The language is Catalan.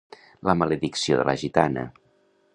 La maledicció de la gitana.